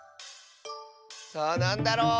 さあなんだろう？